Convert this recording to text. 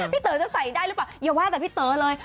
เต๋อจะใส่ได้หรือเปล่าอย่าว่าแต่พี่เต๋อเลย